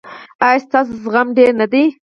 ایا ستاسو زغم ډیر نه دی؟